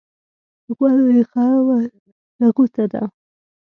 غول د خراب هاضمې نغوته ده.